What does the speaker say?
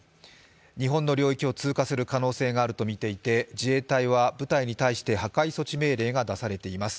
日本の領域を通過する可能性があるとみていて自衛隊は部隊に対して破壊措置命令が出されています。